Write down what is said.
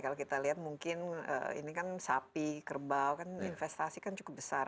kalau kita lihat mungkin ini kan sapi kerbau kan investasi kan cukup besar